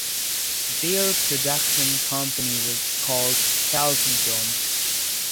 Their production company was called Falcon Films.